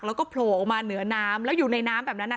แล้วก็โผล่ออกมาเหนือน้ำแล้วอยู่ในน้ำแบบนั้น